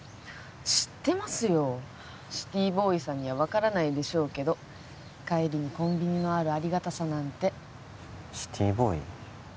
知ってますよシティーボーイさんには分からないでしょうけど帰りにコンビニのあるありがたさなんてシティーボーイ？